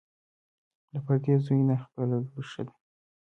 ـ د پردي زوى نه، خپله لور ښه ده.